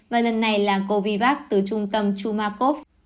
và lần này là covivac từ trung tâm chumakov